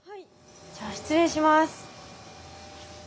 じゃあ失礼します。